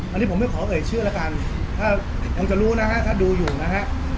อันนี้ผมไม่ขอเอ่ยชื่อแล้วกันถ้ายังจะรู้นะฮะถ้าดูอยู่นะฮะ